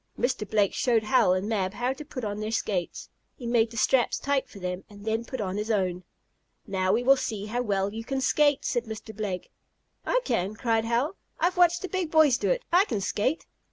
Mr. Blake showed Hal and Mab how to put on their skates. He made the straps tight for them, and then put on his own. "Now we will see how well you can skate," said Mr. Blake. "I can!" cried Hal. "I've watched the big boys do it. I can skate!"